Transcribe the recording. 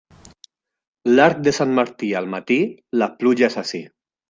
L'arc de Sant Martí al matí, la pluja és ací.